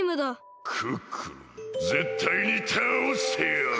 クックルンぜったいにたおしてやる！